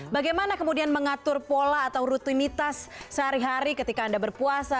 bagaimana kemudian mengatur pola atau rutinitas sehari hari ketika anda berpuasa